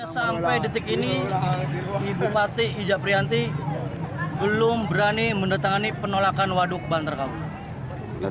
sampai detik ini bupati ija prihanti belum berani mendatangani penolakan waduk bantar kaung